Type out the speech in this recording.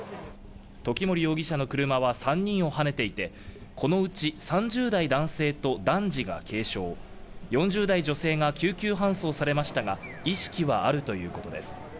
時森容疑者の車は３人をはねていてこのうち３０代男性と男児が軽傷、４０代女性が救急搬送されましたが、意識はあるということです。